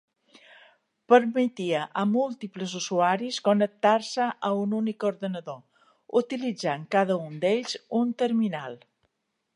Permetia a múltiples usuaris connectar-se a un únic ordinador, utilitzant cada un d'ells un terminal.